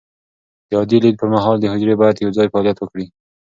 د عادي لید پر مهال، حجرې باید یوځای فعالیت وکړي.